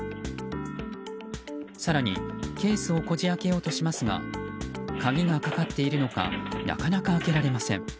更に、ケースをこじ開けようとしますが鍵がかかっているのかなかなか開けられません。